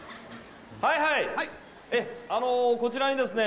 はいはいこちらにですね